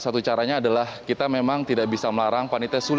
dan salah satu caranya adalah kita memang tidak bisa menangani penyakit yang terlalu besar